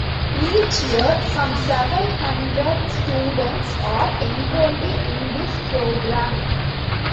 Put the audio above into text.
Each year some seven hundred students are enrolled in this programme.